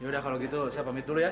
ya udah kalau gitu saya pamit dulu ya